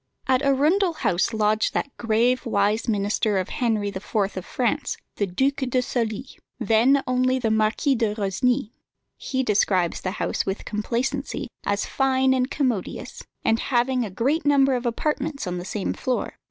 At Arundel House lodged that grave, wise minister of Henry IV. of France, the Duc de Sully, then only the Marquis de Rosny. He describes the house with complacency as fine and commodious, and having a great number of apartments on the same floor.